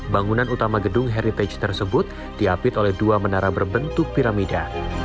bangunan utama gedung heritage tersebut diapit oleh dua menara berbentuk piramida